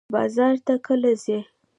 بازار ته کله ځئ؟